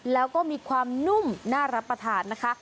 แล้วก็มีความนุ่มน่ารับประทานนะคะ